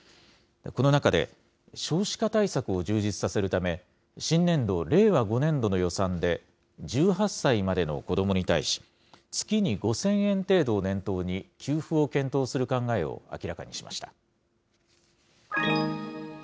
この中で、少子化対策を充実させるため、新年度・令和５年度の予算で、１８歳までの子どもに対し、月に５０００円程度を念頭に、給付を検討する考えを明らかにしました。